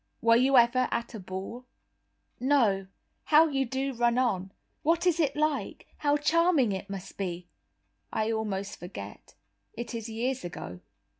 Were you ever at a ball?" "No; how you do run on. What is it like? How charming it must be." "I almost forget, it is years ago."